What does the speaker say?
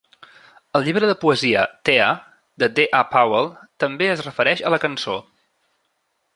El llibre de poesia "TEA" de D. A. Powell també es refereix a la cançó.